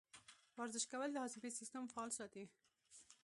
ورزش کول د هاضمې سیستم فعال ساتي.